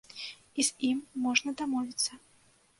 І з ім можна дамовіцца.